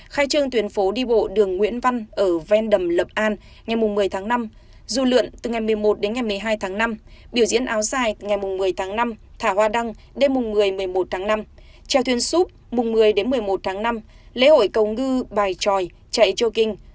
khai trương tuyến phố đi bộ đường nguyễn văn ở ven đầm lộc an ngày một mươi tháng năm dù lượn từ ngày một mươi một đến ngày một mươi hai tháng năm biểu diễn áo dài ngày một mươi tháng năm thả hoa đăng đêm mùng một mươi một mươi một tháng năm treo thuyền súp mùng một mươi một mươi một tháng năm lễ hội cầu ngư bài tròi chạy cho kinh